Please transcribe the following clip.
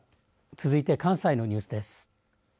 続いて関西のニュースです。